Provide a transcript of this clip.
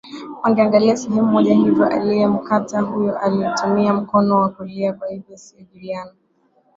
Wangeangalia sehemu moja hivyo aliyemkata huyu alitumia mkono wa kulia kwa hivyo sio Juliana